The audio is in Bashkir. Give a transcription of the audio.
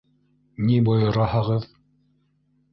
Ни бойораһығыҙ?